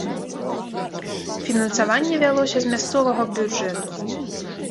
Фінансаванне вялося з мясцовага бюджэту.